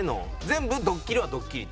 全部ドッキリはドッキリ？